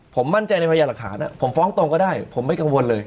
ผมมั่นใจในพยายามหลักฐานผมฟ้องตรงก็ได้ผมไม่กังวลเลย